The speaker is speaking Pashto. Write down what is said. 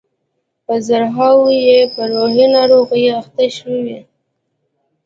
په زرهاوو یې په روحي ناروغیو اخته شوي.